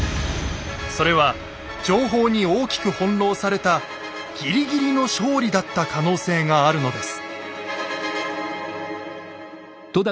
それは情報に大きく翻弄されたぎりぎりの勝利だった可能性があるのです。